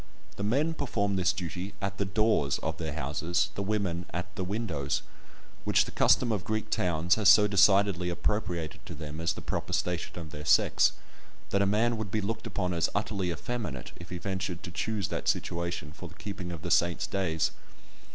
The men perform this duty at the doors of their houses, the women at the windows, which the custom of Greek towns has so decidedly appropriated to them as the proper station of their sex, that a man would be looked upon as utterly effeminate if he ventured to choose that situation for the keeping of the saints' days.